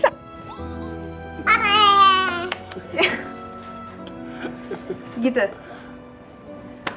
tante ajakin main dong